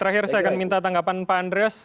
terakhir saya akan minta tanggapan pak andreas